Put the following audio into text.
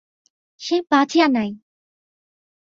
সে বাঁচিয়া নাই।